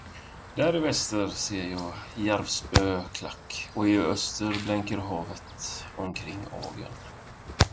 Där i väster ser jag Järvsö klack, och i öster blänker havet omkring Agön.